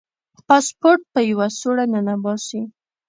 پاسپورټ په یوه سوړه ننباسي.